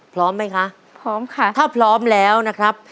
พร้อมไหมคะพร้อมค่ะถ้าพร้อมแล้วนะครับ